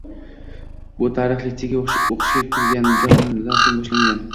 Bu tarix litseyga oʻqishga kirganimdan soʻng boshlangan.